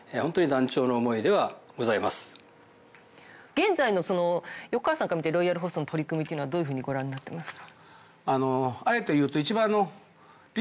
現在の横川さんから見てロイヤルホストの取り組みっていうのはどういうふうにご覧になってますか。